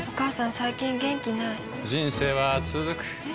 最近元気ない人生はつづくえ？